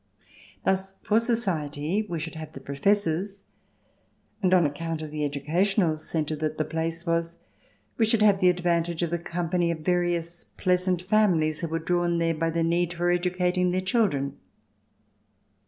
Thus, for society, we should have the professors, and, on account of the educational centre that the place was, we should have the advantage of the company of various pleasant families who were drawn there by the need for educating their children.